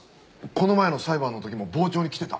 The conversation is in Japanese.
この前の裁判の時も傍聴に来てた。